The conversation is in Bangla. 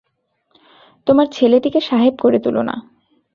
তোমার ছেলেটিকে সাহেব করে তুলো না।